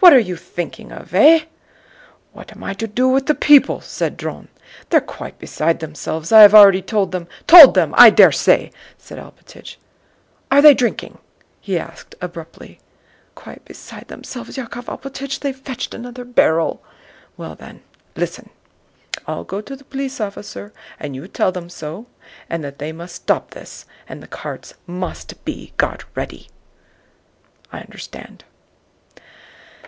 What are you thinking of, eh?" "What am I to do with the people?" said Dron. "They're quite beside themselves; I have already told them..." "'Told them,' I dare say!" said Alpátych. "Are they drinking?" he asked abruptly. "Quite beside themselves, Yákov Alpátych; they've fetched another barrel." "Well, then, listen! I'll go to the police officer, and you tell them so, and that they must stop this and the carts must be got ready." "I understand."